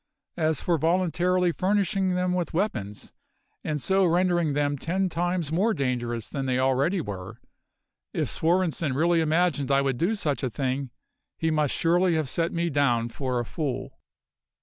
As for voluntarily furnishing them with weapons, and so rendering them ten times more dangerous than they already were, if Svorenssen really imagined I would do such a thing he must surely have set me down for a fool.